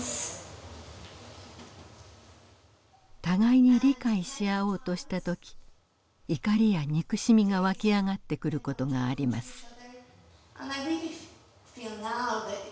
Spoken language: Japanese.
互いに理解し合おうとした時怒りや憎しみがわき上がってくる事があります。